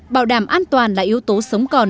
bảo đảm an toàn là yếu tố sống còn